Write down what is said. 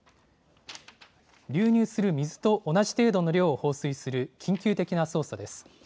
流入する水と同じ程度の量を放水する緊急的な操作です。